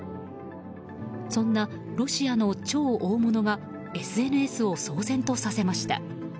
そんなロシアの超大物がＳＮＳを騒然とさせました。